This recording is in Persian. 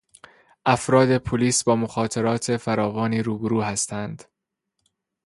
افراد پلیس با مخاطرات فراوانی روبرو هستند.